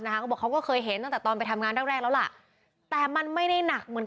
เขาบอกเขาก็เคยเห็นตั้งแต่ตอนไปทำงานแรกแรกแล้วล่ะแต่มันไม่ได้หนักเหมือน